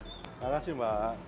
terima kasih mbak